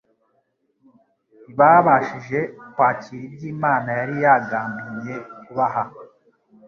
ntibabashije kwakira ibyo Imana yari yagambinye kubaha: